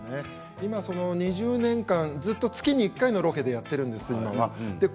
２０年間ずっと月に１回のロケでやっているんです。